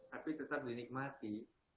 tapi tetap dinikmati